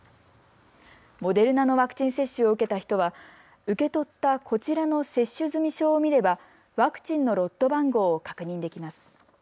モデルナのワクチン接種を受けた人は受け取ったこちらの接種済証を見ればワクチンのロット番号を確認できます。